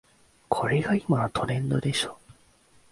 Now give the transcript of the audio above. これが今のトレンドでしょ